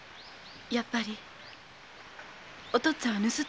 やっぱりお父っつぁんは盗人だったんですね。